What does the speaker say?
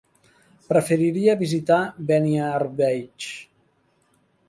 Preferiria visitar Beniarbeig.